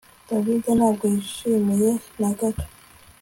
David ntabwo yishimiye na gato